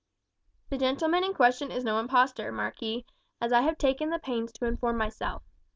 "The gentleman in question is no imposter, marquis, as I have taken the pains to inform myself.